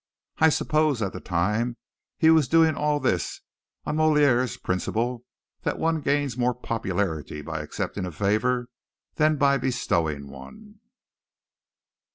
I supposed at the time he was doing all this on Molière's principle, that one gains more popularity by accepting a favour than by bestowing one.